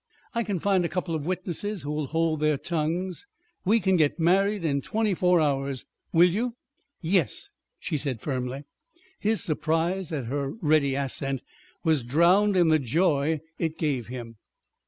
I can find a couple of witnesses who'll hold their tongues. We can get married in twenty four hours. Will you?" "Yes," she said firmly. His surprise at her ready assent was drowned in the joy it gave him.